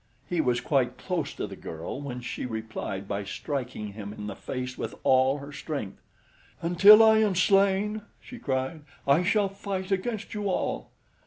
He was quite close to the girl when she replied by striking him in the face with all her strength. "Until I am slain," she cried, "I shall fight against you all."